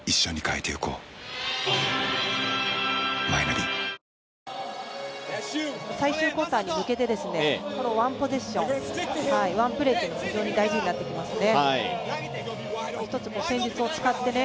リブネスタウンへ最終クオーターに向けてワンポゼッション、ワンプレーが非常に大事になってきますね。